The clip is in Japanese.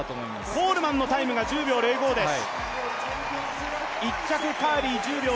コールマンのタイムが１０秒０５です。